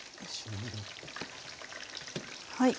はい。